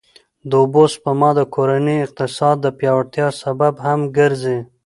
د اوبو سپما د کورني اقتصاد د پیاوړتیا سبب هم ګرځي.